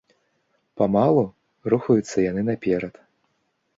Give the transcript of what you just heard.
Памалу рухаюцца яны наперад.